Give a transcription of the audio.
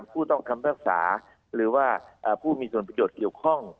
ผู้ต้องคำภาษาหรือว่าผู้มีส่วนประโยชนเกี่ยวข้อง